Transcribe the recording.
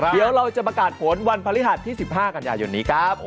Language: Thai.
เดี๋ยวเราจะประกาศผลวันพฤหัสที่๑๕กันยายนนี้ครับ